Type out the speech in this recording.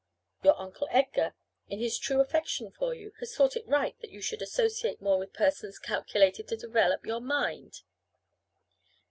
Your uncle Edgar, in his true affection for you, has thought it right that you should associate more with persons calculated to develop your mind."